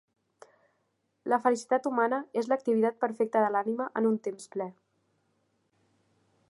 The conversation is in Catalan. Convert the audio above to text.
La felicitat humana és l'activitat perfecta de l'ànima en un temps ple.